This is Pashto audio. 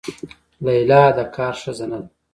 لیلا د کار ښځه نه ده.